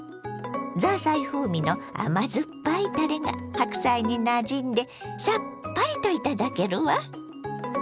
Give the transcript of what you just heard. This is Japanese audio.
ザーサイ風味の甘酸っぱいタレが白菜になじんでさっぱりと頂けるわ。